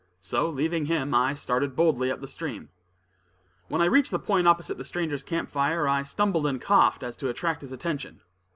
So leaving him, I started boldly up the stream. When I reached the point opposite the stranger's camp fire, I stumbled and coughed so as to attract his attention.